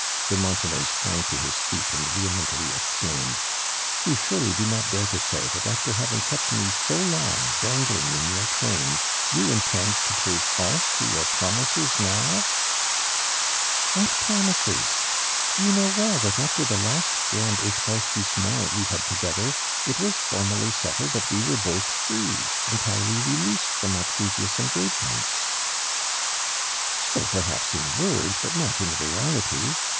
De Montenay sprang to his leet and vehemently exclaimed: "You surely do not dare to say that after having kept mo so long dangling in your train, you intend to prove false to your promises now !"" What promises ? You know well that after the last grand eclnrcissement we had together, it was formally settled that wo were both free — entirely released from our I)revious engagements." "So, perhaps, in word, but not in reality.